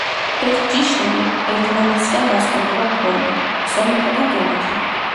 ეს ჯიშები ერთმანეთისაგან გასხვავდება ფორმით, ზომითა და გემოთი.